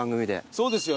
そうですよね。